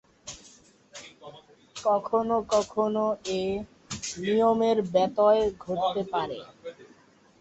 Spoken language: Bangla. কখনো কখনো এ নিয়মের ব্যতয় ঘটতে পারে।